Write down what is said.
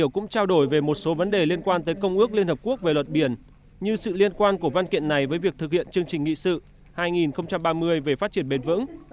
chúng ta luôn có sự bình luận và chúng ta có thể tiếp tục